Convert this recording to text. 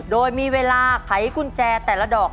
โดยมีเวลาไขกุญแจแต่ละดอก